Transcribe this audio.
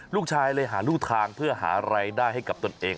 ลูกชายเลยหาลูกทางเพื่อหารายได้ให้กับตนเอง